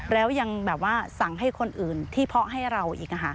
แล้วยังสั่งให้คนอื่นที่พอให้เราอีก